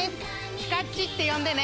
ちかっちって呼んでね！